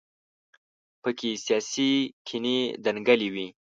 په کې سیاسي کینې دنګلې وي.